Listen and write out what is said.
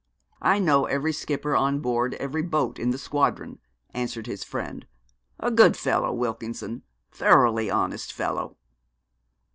'I know every skipper on board every boat in the squadron,' answered his friend. 'A good fellow, Wilkinson thoroughly honest fellow.'